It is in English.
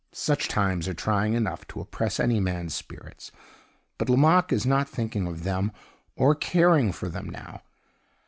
Such times are trying enough to oppress any man's spirits; but Lomaque is not thinking of them or caring for them now.